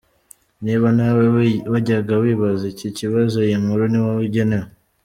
Niba nawe wajyaga wibaza iki kibazo, iyi nkuru ni wowe igenewe.